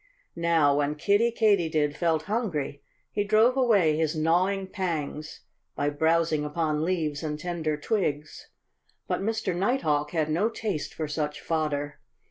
Now, when Kiddie Katydid felt hungry he drove away his gnawing pangs by browsing upon leaves and tender twigs. But Mr. Nighthawk had no taste for such fodder.